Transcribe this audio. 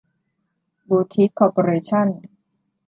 บูทิค คอร์ปอเรชั่น